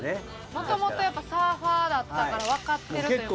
もともとやっぱサーファーだったからわかってるという事ですか？